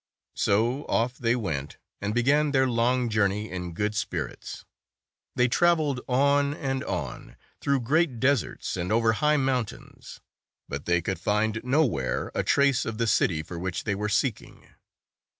So off they went, and began their long journey in good spirits. They traveled on and on, through great deserts, and over high mountains ; but they could find nowhere a trace of the city for which they were seeking.